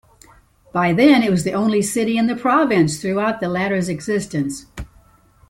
By then, it was the only city in the province throughout the latter's existence.